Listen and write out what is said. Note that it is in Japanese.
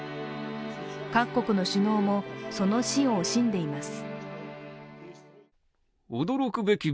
各国の首脳もその死を惜しんでいます。